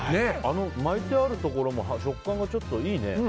巻いてあるところも食感がいいね。